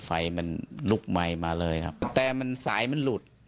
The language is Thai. ไฟมันลุกไหมมาเลยครับแต่มันสายมันหลุด